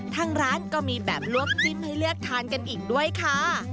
ทางร้านก็มีแบบลวกจิ้มให้เลือกทานกันอีกด้วยค่ะ